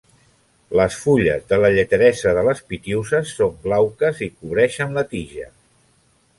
Les fulles de la lleteresa de les Pitiüses són glauques i cobreixen la tija.